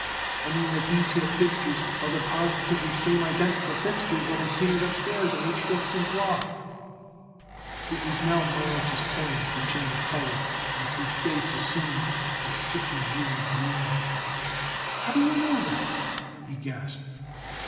I mean that these here fixtures are the positively same identical fixtures what I seen it upstairs in H. Rifkin's loft." It was now Morris' turn to change color, and his face assumed a sickly hue of green. "How do you know that?" he gasped.